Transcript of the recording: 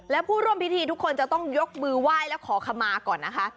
และผู้ร่วมพิธีทุกคนจะต้องยกมือไหว้และขอขมาก่อนนะคะ